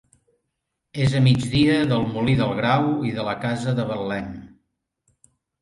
És a migdia del Molí del Grau i de la casa de Betlem.